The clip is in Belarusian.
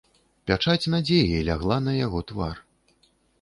Пячаць надзеі лягла на яго твар.